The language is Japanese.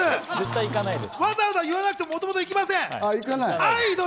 わざわざ言わなくても、もともと行きません。